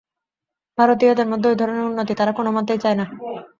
ভারতীয়দের মধ্যে ঐ ধরনের উন্নতি তারা কোন মতেই চায় না।